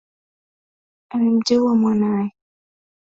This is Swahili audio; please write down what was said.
Amemteua mwanae rais wa kwanza wa Tanzania Julius Nyerere